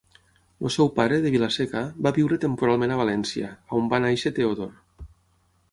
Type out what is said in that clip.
El seu pare, de Vila-seca, va viure temporalment a València, on va néixer Teodor.